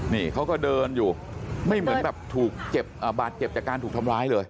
นี่เขาก็เดินอยู่ไม่เหมือนแบบถูกบาดเจ็บจากการถูกทำร้ายเลย